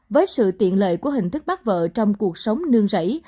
với sự tiện lợi của hình thức bắt vợ trong cuộc sống nương rẫy